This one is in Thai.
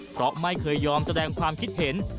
เพราะไม่เคยยอมแสดงความคิดเห็น